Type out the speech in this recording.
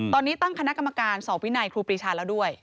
ตอนนี้ตั้งคณะกรรมการสอบวินัยครูปรีชาแล้วด้วย